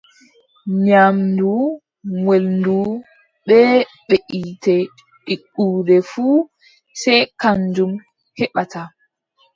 Nyaamdu welndu bee beʼitte ɗigguɗe fuu, sey kanjum heɓata.